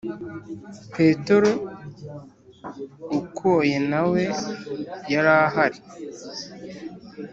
petero okoye nawe yara hari